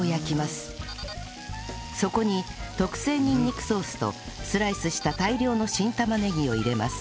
そこに特製にんにくソースとスライスした大量の新玉ねぎを入れます